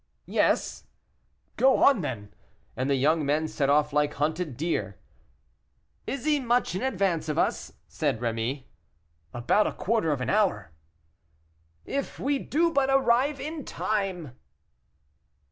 "Yes." "Go on then." And the young men set off like hunted deer. "Is he much in advance of us?" said Rémy. "About a quarter of an hour." "If we do but arrive in time!"